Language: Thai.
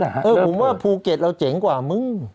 บางคนว่าภูเก็ตเก่งกว่ามรึง